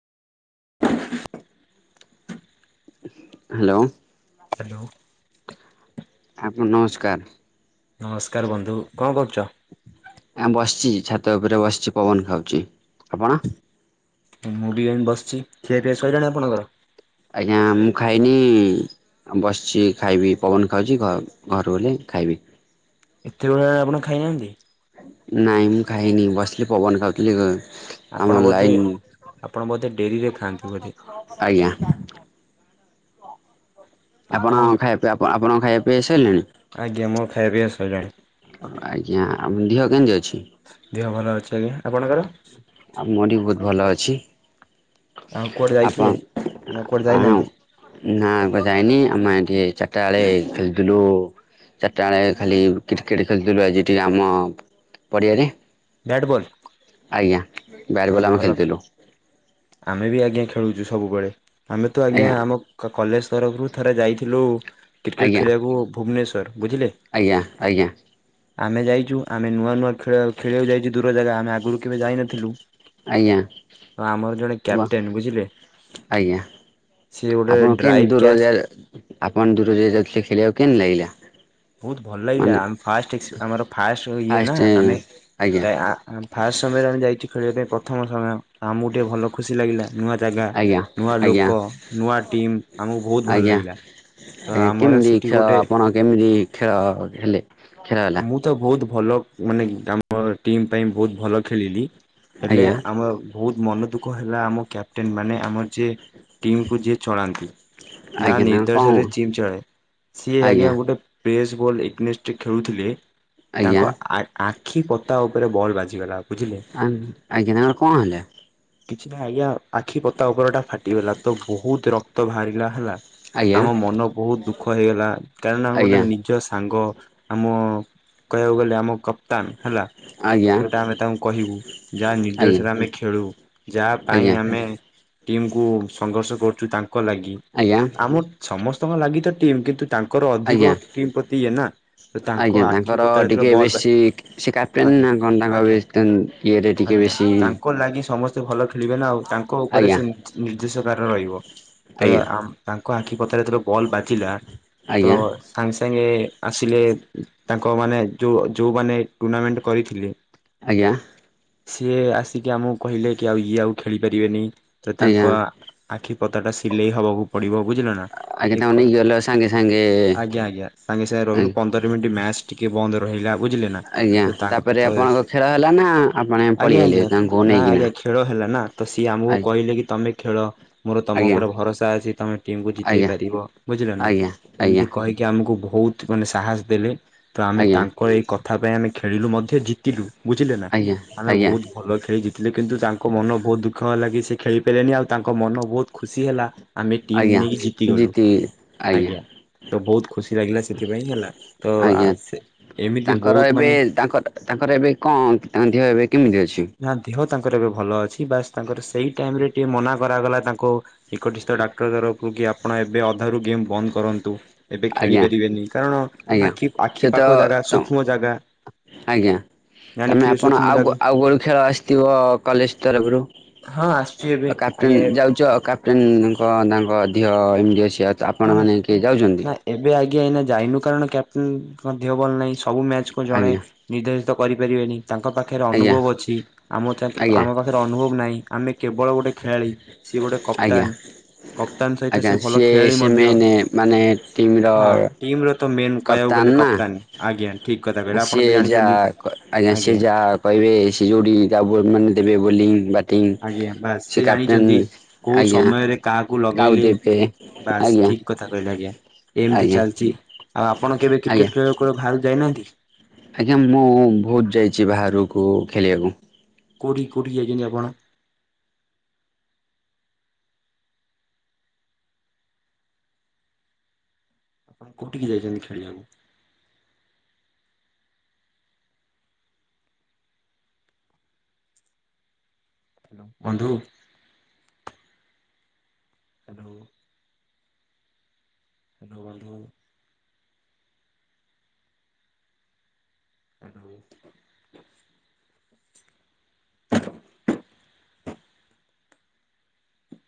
Hello. Hello. ଆପଣ କୁ ନମସ୍କାର। ନମସ୍କାର ବନ୍ଧୁ। କଣ କରୁଚ? ଆ ବସିଚି ଛାତ ଉପରେ ବସିଚି ପବନ ଖାଉଚି। ଆପଣ? ମୁଁ ବି ଏମି ବସିଚି। ଖିଆ ଫିଆ ସଇଲାଣି ଆପଣଙ୍କର? ଆଜ୍ଞା ମୁଁ ଖାଇନି ବସିଚି ଖାଇବି ପବନ ଖାଉଚି ଘ ଘରୁ କୁ ଗଲେ ଖାଇବି। ଏତେ ବେଳ ହେଳା ଆପଣ ଖାଇନାହାନ୍ତି? ନାଇଁ ମୁ ଖାଇନି ବସଲି ପବନ ଖାଉଥିଲି ଗ ଆପଣ ବୋଧେ ଆପଣ ବୋଧେ ଡେରିରେ ଖାଆନ୍ତି ବୋଧେ? ଆଜ୍ଞା। ଆଉ କଣ ଆପଣ ଖାଇବା ପିବା ଆପଣଙ୍କ ଖାଇବା ପିଇବା ସାରିଲାଣି? ଆଜ୍ଞା ମୋର ଖାଇବା ପିବା ଆସିଲାଣି। ଆଜ୍ଞା ଆ ଦିହ କେମିତି ଅଛି? ଦେହ ଭଲ ଅଛି ଆଜ୍ଞା। ଆପଣଙ୍କର? ଆଉ ମୋରି ବି ବହୁତ ଭଲ ଅଛି। ଆଉ କୁଆଡ଼େ ଯାଇଥିଲେ ଆପଣ ନା କୁଆଡ଼େ ଆ ଯାଇନାହାନ୍ତି ନା ବ ଯାଇନି ଆମେ ଟିକେ ଚାରିଟା ବେଳେ ଖେଳଥିଲୁ ଚାରିଟା ବେଳେ ଖାଲି କ୍ରିକେଟ ଖେଳିୁଥିଲୁ ଆଜି ଟିକେ ଆମ ପଡିଆରେ। Bat ball? ଆଜ୍ଞା। ବ୍ୟାଟ୍ ଅ ବଲ୍ ଆମେ ଭଲ ଖେଳିଥିଲୁ ଆମେ ବି ଆଜ୍ଞା ଖେଳୁଚୁ ସବୁବେଳେ ଆମେ ତ ଆଜ୍ଞା ଆମ କଲେଜ ତରଫରୁ ଥରେ ଯାଇଥିଲୁ କ୍ରିକେଟ ଆଜ୍ଞା ଖେଳିବାକୁ ଭୁବନେଶ୍ୱର। ବୁଝିଲେ? ଆଜ୍ଞା ଆଜ୍ଞା। ଆମେ ଯାଇଚୁ ଆମେ ନୂଆ ନୂଆ ଖେଳ ଖେଳିବାକୁ ଯାଇଛୁ ଦୂର ଜାଗା ଆମେ ଆଗରୁ କେବେ ଯାଇନଥିଲୁ। ଆଜ୍ଞା। ହଁ ଆମର ଜଣେ ୱା କ୍ୟାପଟେନ୍ ବୁଝିଲେ ଆଜ୍ଞା। ସିଏ ଗୋଟେ ଆପଣ କେତି ଡ୍ରାଇଭ୍ କ୍ୟାଚ୍ ଦୂରଜ [unintelligible] ଆପଣ ଦୂରଜ ଯାଉଥିଲେ ଖେଳିବାକୁ କେମତି ଲାଗିଲା? ବହୁତ ଭଲ ଲାଗିଲା ମାନେ ଆମ ଫାଷ୍ଟ ସ ଆମର ଫାଷ୍ଟ ଇଏ ନା ଆମେ ଆଜ୍ଞା ଟାଏ ଆ ଆ ଆମେ ଫାଷ୍ଟ ସମୟରେ ଆମେ ଯାଇଛୁ ଖେଳିବା ପାଇଁ ପ୍ରଥମ ସମୟ ଆମକୁ ଟିକେ ଭଲ ଖୁସି ଲାଗିଲା ନୂଆ ଜାଗା ଆଜ୍ଞା ନୂଆ ଆଜ୍ଞା ଲୋକ ନୂଆ ଟିମ୍ ଆମକୁ ବହୁତ ଭଲ ଆଜ୍ଞା ଲାଗିଲା ତ ଆଜ୍ଞା ଆମର କେମିତି ସେଟି ଖେଳ ଗୋଟେ ଆପଣ କେମିତି ଖେଳ ହେଲେ ଖେଳନା। ମୁଁ ତ ବହୁତ ଭଲ ମାନେ ଆମ ଟିମ୍ ପାଇଁ ବହୁତ ଭଲ ଖେଳିଲି ହେଲେ ଆଜ୍ଞା ଆମ ଭଉତ୍ ମନ ଦୁଃଖ ହେଲା ଆମ କ୍ୟାପଟେନ ମାନେ ଆମ ସିଏ ଟିମକୁ ଯିଏ ଚଳାନ୍ତି। ଯାହା ଆଜ୍ଞା ନା କଣ ନିର୍ଦ୍ଦେସରେ ଚିମ୍ ଚଳେ ସିଏ ଆଜ୍ଞା ଗୋଟେ ପ୍ରେସ୍ ବଲ୍ ଏଗନେଷ୍ଟେ ଖେଳୁଥିଲେ ଆଜ୍ଞା ତାଙ୍କ ଆ ଆଖି ପତା ଉପରେ ବଲ୍ ବାଜିଗଲା ବୁଝିଲେ? ଆଁ ଆଜ୍ଞା ତାଙ୍କର କଣ ହେଲା? କିଛି ନାଇଁ ଆଜ୍ଞା ଆଖି ପତା ଉପର ଟା ଫାଟିଗଲା ତ ବହୁତ ରକ୍ତ ବାହାରିଲା ହେଲା ଆଜ୍ଞା ଆମ ମନ ବହୁତ ଦୁଃଖ ହେଇଗଲା କାରଣ ଆମ ଗୋଟେ ଆଜ୍ଞା ନିଜ ସାଙ୍ଗ ଆମ କହିବାକୁ ଗଲେ ଆମ କପ୍ତାନ ହେଲା। ଆଜ୍ଞା ଯୋଉଟା ଆମେ ତାଙ୍କୁ କହିବୁ ଯାହା ଆଜ୍ଞା ନିର୍ଦ୍ଦେଶରେ ଆମେ ଖେଳୁ ଯାହା ପାଇଁ ଆଜ୍ଞା ଆମେ ଟିମ କୁ ସଂଘର୍ଷ କରୁଛୁ ତାଙ୍କ ଲାଗି ଆଜ୍ଞା ଆମ ସମସ୍ତଙ୍କ ଲାଗି ତ ଟିମ୍ କିନ୍ତୁ ତା ଙ୍କର ଆଜ୍ଞା ଅଧିକ ଟିମ ପ୍ରତି ଇଏ ନା? ତାଙ୍କ ଆଜ୍ଞା ଆଖି ତାଙ୍କର ପତା ଯେତେବେଳେ ଟିକେ ବଲ ବା ବେଶୀ ସେ କ୍ୟାପ୍ଟେନ୍ ଆଜ୍ଞା ନା କଣ ତାଙ୍କ ଆଜ୍ଞା। ବେଶୀ ଇଏରେ ଟିକେ ଆଜ୍ଞା ବେଶୀ ତାଙ୍କ ଲାଗି ସମସ୍ତେ ଭଲ ଖୋଳିବେ ନା ଆଉ ତାଙ୍କ ଉପରେ ଆଜ୍ଞା ସେ ନି ନିର୍ଦ୍ଦିଷ କାର ରହିବ ତ ଆଜ୍ଞା ଆମ ତାଙ୍କ ଆଖି ପତାରେ ଯେତେବେଳେ ବଲ୍ ବାଜିଲା ତ ଆଜ୍ଞା ସାଙ୍ଗେ ସାଙ୍ଗେ ଆସିଲେ ଉଁ ତାଙ୍କ ମାନେ ଯୋଉ ଯୋଉମାନେ ଟୁର୍ଣ୍ଣାମେଣ୍ଟ କରିଥିଲେ ଆଜ୍ଞା। ସିଏ ଆସିକି ଆମୁକୁ କହିଲେ କି ଆଉ ଇଏ ଆଉ ଖେଳି ପାରିବେନେଇଁ ତ ଆଜ୍ଞା ଆଜ୍ଞା ତାଙ୍କ ଆ ଆଖି ପତା ଟା ସିଲେଇ ହବାକୁ ପଡିବ, ବୁଝିଲେ ନା? ଆଁ ତାଙ୍କୁ ଏକ ନେଇକି ଗଲ ସାଙ୍ଗେ ସାଙ୍ଗେ ଆଜ୍ଞା ଆଜ୍ଞା ସାଙ୍ଗେ ସାଙ୍ଗେ ରହିଲୁ ପ ପନ୍ଦର ମିଣ୍ଟି ମ୍ୟାଚ୍ ଟିକେ ବନ୍ଦ୍ ରହିଲା ଆଉ। ବୁଝିଲେ ନା ଆଜ୍ଞା ତ ତାଙ୍କ ତାପରେ ତ ଆପଣଙ୍କ ଏସ୍ ଖେଳ ହେଲା ନା ଆପଣ ଆଜ୍ଞା ପଳେଇଆଇଲେ ଆଜ୍ଞା ତାଙ୍କୁ ନା ନେଇକିନା ଆଜ୍ଞା ଖେଳ ହେଲା ନା। ତ ସିଏ ଆମୁକୁ ଆଜ୍ଞା କହିଲେ କି ତମେ ଖେଳ ମୋର ତମ ଆଜ୍ଞା ଓପରେ ଭରସା ଅଛି ତମେ ଟିମ୍ କୁ ଜିତେଇ ଆଜ୍ଞା ପାରିବ ବୁଝିଲନା ଆଜ୍ଞା ଆଜ୍ଞା ଏମିତି କହିି କି ଆମୁକୁ ଭୋଉତ୍ ମାନେ ସାହସ୍ ଦେଲେ ତ ଆମେ ଆଜ୍ଞା ତାଙ୍କ ଏଇ କ ଥା ପାଇଁ ଆମେ ଖେଳିଲୁ ମଧ୍ୟ ଜିତିଲୁ ବୁଝିଲେ ନା, ଆଜ୍ଞା ଆମେ ଭୋଉତ୍ ଭଲ ଖେଳି ଜିତିଲୁ କିନ୍ତୁ ତାଙ୍କ ମନ ଭୋହୁତ୍ ଦୁଃଖ ହେଲା କି ସେ ଖେଳି ପାଇଲେ ନି ଆଉ ତାଙ୍କ ମନ ବୋହୁତ୍ ଖୁସି ହେଲା, ଆମେ ଟିମ୍ ଆଜ୍ଞା ନେଇକି ଜିତିଗଲୁ। ଜିତି ଆଜ୍ଞା ତ ବୋହୁତ୍ ଖୁସି ଲାଗିଲା ସେଥିପାଇଁ ହେଲା ତ ଆ ଆଜ୍ଞା ସେ ଏମିତି ତାଙ୍କର ବହୁତ ଏବେ ମାନେ ତାଙ୍କର ତାଙ୍କର ଏବେ କଅଁ ତାଙ୍କ ଦେହ ଏବେ କିମିତି ଅଛି? ନା ଦେହ ତାଙ୍କର ଏବେ ଭଲ ଅଛି, ବାସ୍ ତାଙ୍କର ସେଇ ଟାଇମ୍ ରେ ଟିକେ ମନା କରାଗଲା ତାଙ୍କୁ ନିକଟିସ୍ଥ ଡାକ୍ଟର କୁକି କି ଆପଣ ଏବେ ଅଧାରୁ ଗେମ୍ ବନ୍ଦ କରନ୍ତୁ? ଏବେ ଖେଳି ଆଜ୍ଞା ପାରିବେନି, କାରଣ ଆଜ୍ଞା ଆଖି ସେ ଆଖି ତ ପାଖ ଜାଗା ତ ସୂକ୍ଷ୍ମ ଜାଗା। ଆଜ୍ଞା ତମେ ଜାଣିଥିବେ ଆପଣ ସୂକ୍ଷ୍ମ ଆଉ ଜାଗା ଗୋ ଆଉ ଗୋଳୁ ଖେଳ ଆସିଥିବ କଲେଜ୍ ତରଫରୁ? ହଁ ଆସିଛି ଏବେ ଆଉ କାପଟେନ୍ ଆଜ୍ଞା ଯାଉଚ ଆ କପ୍ ଟେନ୍ ତାଙ୍କ ତାଙ୍କ ଧିଅ ଏମିତି ଅଛି ଆତ୍ ଆପଣ ହଁ ମାନେ କିଏ ଯାଉଛନ୍ତି। ନା ଏବେ ଆଜ୍ଞା ଏଇନା ଯାଇନୁ କାରଣ କ୍ୟାପଟେନ୍ ନ୍ ଙ୍କ ଦିହ ଭଲ ନାହିଁ ସବୁ ମ୍ୟାଚ୍ କୁ ଜଣେ ଆଜ୍ଞା ନିର୍ଦ୍ଧାସତ କରିପାରିବେନୀ ତାଙ୍କ ପାଖେରେ ଆଜ୍ଞା ଅନୁଭବ ଅଛି ଆମ ତାଙ୍କ ଆଜ୍ଞା ଆମ ପାଖରେ ଅନୁଭବ ନାହିଁ ଆମେ କେବଳ ଗୋଟେ ଖେଳାଳି ସିଏ ଗୋଟେ ଆଜ୍ଞା କପ୍ତାନ୍ କପ୍ତାନ୍ ସହିତ ଆଜ୍ଞା ସେ ଭଲ ସିଏ ଖେ ଖେଳାଳି ସେ ମଧ୍ୟ। ମେନ୍ ମାନେ ଟିମ୍ ର ହଁ ଟିମ୍ ର ତ ମେନ୍ କହିବାକୁ ଗଲେ କପ୍ତାନ୍। ଆଜ୍ଞା। ଠିକ କଥା ଆ କହିଲେ ଆପଣ ତ ସିଏ ଜାଣିଛନ୍ତି ଯାହା କ ଆଜ୍ଞା ସିଏ ଯାହା କହିବେ ସିଏ ଯୋଉଠି [unintelligible] ମାନେ ଦେବେ ବୋଲି ବା [unintelligible] ଆଜ୍ଞା ବାସ୍ ସେ କ୍ୟାପ୍ଟେନ୍ ଜାଣିଛନ୍ତି କୋଉ ଆଜ୍ଞା ସମୟରେ କାହାକୁ କାହା କୁ ଲଗେଇଲେ ଦେବେ। ବାସ୍ ଆଜ୍ଞା ଠିକ୍ କଥା କହିଲେ ଆଜ୍ଞା। ଏମ୍ତି ଆଜ୍ଞା ଚାଲିଚି। ଆଉ ଆପଣ କେବେ ଆଜ୍ଞା କ୍ରିକେଟ୍ ଖେଳିବାକୁ କୁଆଡ଼େ ବାହାରକୁ ଯାଇନାହାନ୍ତି? ଆଜ୍ଞା ମୁଁ ବହୁତ୍ ଯାଇଚି ବାହାରୁକୁ ଖେଳିଆକୁ। କୋଉଠିକି କୋଉଠିକି ଯାଇଚନ୍ତି ଆପଣ? ଆପଣ କୋଉଠିକି ଯାଇଛନ୍ତି ଖେଳିଆକୁ? ହାଲୋ ବନ୍ଧୁ। ହାଲୋ। ହାଲୋ ବନ୍ଧୁ। [unintelligible] [inaudible]